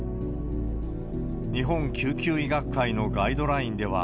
日本救急医学会のガイドラインでは、